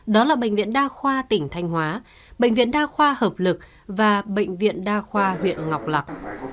đó là bệnh viện đa khoa tỉnh thanh hóa bệnh viện đa khoa hợp lực và bệnh viện đa khoa huyện ngọc lạc